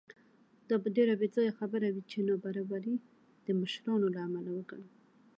دا به ډېره بېځایه خبره وي چې نابرابري د مشرانو له امله وګڼو.